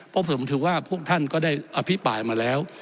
เพราะผมถือว่าพวกท่านก็ได้อภิปรายมาแล้ว